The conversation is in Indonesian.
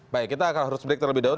baik kita harus berikut terlebih dahulu